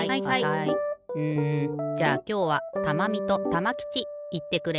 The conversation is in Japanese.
うんじゃあきょうはたまみとたまきちいってくれ。